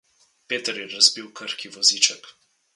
Peter je razbil krhki voziček.